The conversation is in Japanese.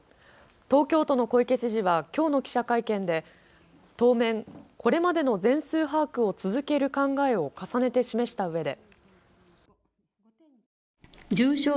東京都の小池知事はきょうの記者会見で当面、これまでの全数把握を続ける考えを重ねて示したうえで。